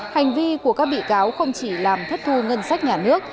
hành vi của các bị cáo không chỉ làm thất thu ngân sách nhà nước